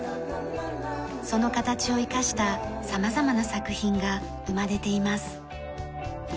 その形を生かした様々な作品が生まれています。